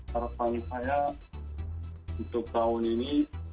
harapan saya untuk tahun ini